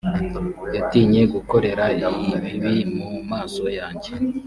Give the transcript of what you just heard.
yatinye gukorera ibibi mu maso yanjye